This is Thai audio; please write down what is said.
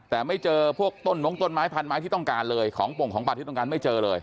แต่ไม่เจอพวกต้นมงต้นไม้พันไม้ที่ต้องการเลยของปงของป่าที่ต้องการไม่เจอเลย